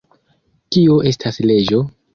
Kio estas leĝo?